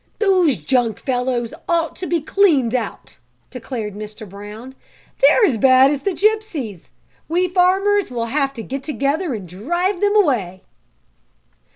"Those junk fellows ought to be cleaned out!" declared Mr. Brown. "They're as bad as the Gypsies! We farmers will have to get together and drive 'em away."